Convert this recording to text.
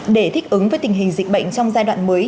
để thích ứng với tình hình dịch bệnh trong giai đoạn mới